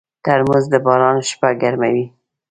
ترموز د باران شپه ګرموي.